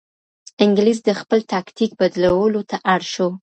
انګلیس د خپل تاکتیک بدلولو ته اړ شو.